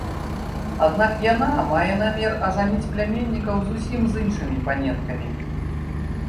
Аднак яна мае намер ажаніць пляменнікаў зусім з іншымі паненкамі.